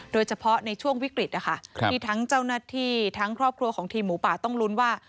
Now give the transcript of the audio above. โดยเฉพาะในช่วงวิกฤตนะคะที่ทั้งเจ้าหน้าที่ทั้งครอบครัวของทีมหมูป่าต้องลุ้นว่า